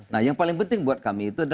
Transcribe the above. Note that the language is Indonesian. nah yang paling penting buat kami itu adalah